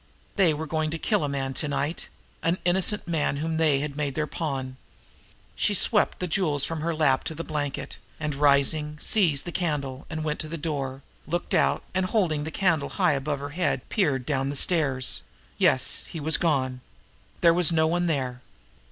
They were going to kill a man to night an innocent man whom they had made their pawn. She swept the jewels from her lap to the blanket, and rising, seized the candle, went to the door, looked out, and, holding the candle high above her head, peered down the stairs. Yes, he was gone. There was no one there.